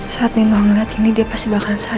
saat nino melihat ini dia pasti bakalan sadar